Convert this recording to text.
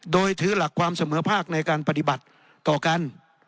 โดยถือหลักความเสมอภาคในการปฏิบัติต่อกัน